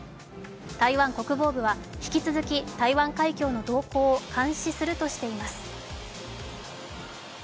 台湾国防部は引き続き台湾海峡の動向を監視するとしています。